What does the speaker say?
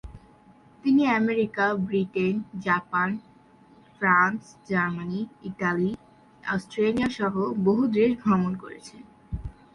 তিনি America, Britain, Japan, France, Germany, Italy, Australia সহ বহু দেশ ভ্রমণ করেছেন।